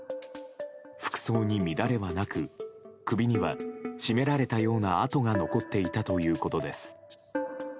服装に乱れはなく首には絞められたような痕が残っていたということです。